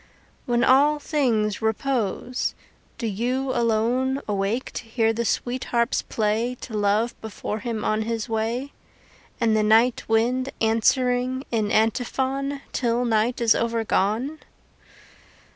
When all things repose, do you alone Awake to hear the sweet harps play To Love before him on his way, And the night wind answering in antiphon Till night is overgone?